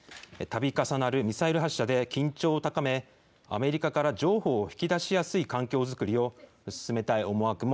たび重なるミサイル発射で緊張を高め、アメリカから譲歩を引き出しやすい環境作りを進めたい思惑